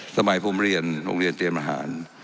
สมัยผมเรียนโรงเรียนเตรียมอาหาร